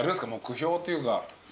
目標というか。